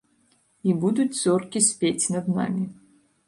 І будуць зоркі спець над намі.